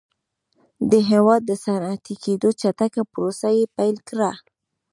د هېواد د صنعتي کېدو چټکه پروسه یې پیل کړه